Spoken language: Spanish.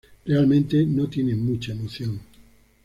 Realmente no tienen mucha emoción.